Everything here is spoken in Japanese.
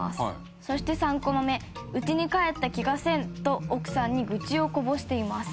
そして、３コマ目「うちにかえった気がせん」と奥さんに愚痴をこぼしています。